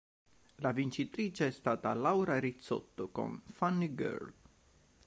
La vincitrice è stata Laura Rizzotto con "Funny Girl".